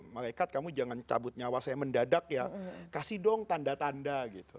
malaikat kamu jangan cabut nyawa saya mendadak ya kasih dong tanda tanda gitu